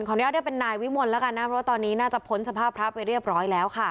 อนุญาตเรียกเป็นนายวิมลแล้วกันนะเพราะว่าตอนนี้น่าจะพ้นสภาพพระไปเรียบร้อยแล้วค่ะ